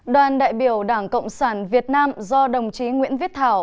đoàn đại biểu đảng cộng sản việt nam do đồng chí nguyễn viết thảo